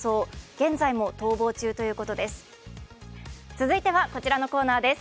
現在も逃亡中ということです。